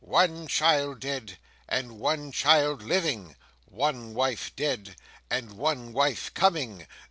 "One child dead, and one child living: one wife dead, and one wife coming.